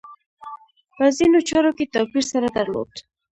په ځینو چارو کې توپیر سره درلود.